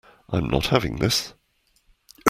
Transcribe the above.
I'm not having this.